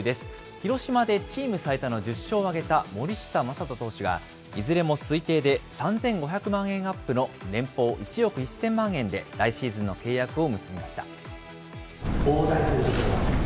広島でチーム最多の１０勝を挙げた森下暢仁投手が、いずれも推定で３５００万円アップの年俸１億１０００万円で来シーズンの契約を結びました。